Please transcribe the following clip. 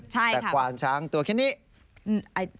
ใช่ค่ะแต่ควานช้างตัวแค่นี้